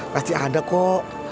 pasti ada kok